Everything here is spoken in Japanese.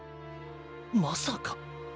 まさか。